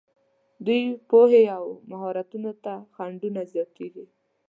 دوی پوهې او مهارتونو ته خنډونه زیاتېږي.